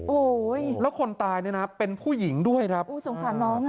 โอ้โหแล้วคนตายเนี่ยนะเป็นผู้หญิงด้วยครับโอ้สงสารน้องอ่ะ